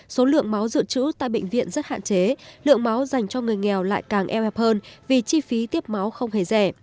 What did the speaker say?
số lượng máu dự trữ tại bệnh viện rất hạn chế lượng máu dành cho người nghèo lại càng eo hẹp hơn vì chi phí tiếp máu không hề rẻ